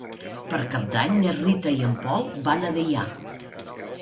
Per Cap d'Any na Rita i en Pol van a Deià.